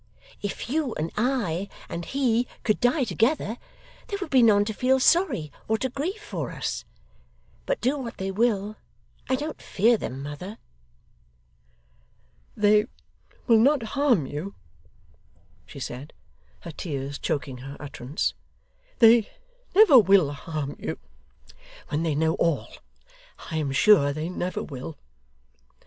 If you and I and he could die together, there would be none to feel sorry, or to grieve for us. But do what they will, I don't fear them, mother!' 'They will not harm you,' she said, her tears choking her utterance. 'They never will harm you, when they know all. I am sure they never will.